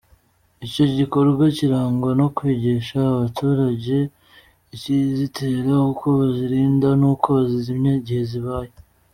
Icyo gikorwa kirangwa no kwigisha abaturage ikizitera, uko bazirinda, n’uko bazizimya igihe zibaye.